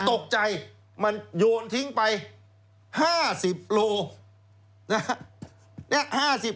ตกใจมันโยนทิ้งไป๕๐โลนะฮะ